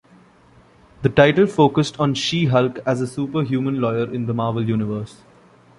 The title focused on She-Hulk as a "superhuman lawyer" in the Marvel Universe.